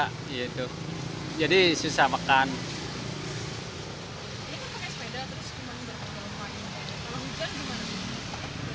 ini kan pakai sepeda terus gimana berpengalaman kalau hujan gimana